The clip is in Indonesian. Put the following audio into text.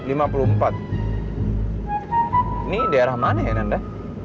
ini daerah mana ya nanda